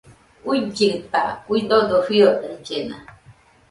Uillɨta, uidodo fiodaillena